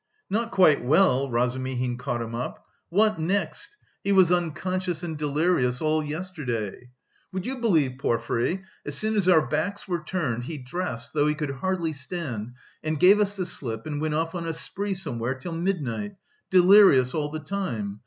"Not quite well!" Razumihin caught him up. "What next! He was unconscious and delirious all yesterday. Would you believe, Porfiry, as soon as our backs were turned, he dressed, though he could hardly stand, and gave us the slip and went off on a spree somewhere till midnight, delirious all the time!